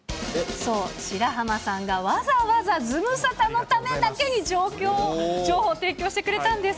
そう、白濱さんがわざわざズムサタのためだけに情報提供してくれたんです。